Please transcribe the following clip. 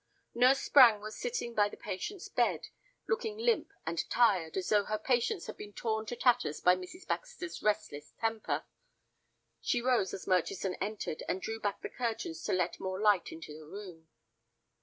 Nurse Sprange was sitting by the patient's bed, looking limp and tired, as though her patience had been torn to tatters by Mrs. Baxter's restless temper. She rose as Murchison entered, and drew back the curtains to let more light into the room.